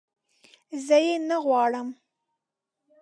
زه یې نه غواړم